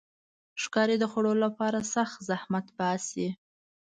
ښکاري د خوړو لپاره سخت زحمت باسي.